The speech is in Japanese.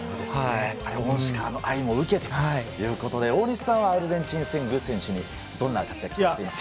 やっぱり恩師からの愛も受けてということで大西さんはアルゼンチン戦グ選手にどんな活躍を期待していますか？